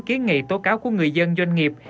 ký nghị tố cáo của người dân doanh nghiệp